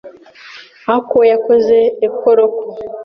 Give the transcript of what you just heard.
ariko we yakoze appel local